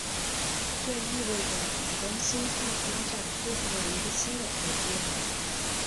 这意味着浦东新区的发展步上了一个新的台阶。